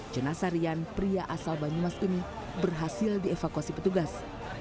jenasa rian pria asal banyumas ini berhasil dievakuasi petugas